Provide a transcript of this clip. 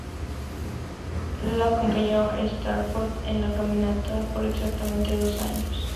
Él acompañó a Stafford en la caminata por exactamente dos años.